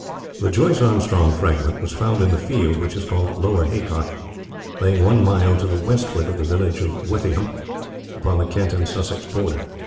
The Joyce Armstrong Fragment was found in the field which is called Lower Haycock, lying one mile to the westward of the village of Withyham, upon the Kent and Sussex border.